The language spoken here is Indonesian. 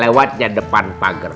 lewatnya depan pagar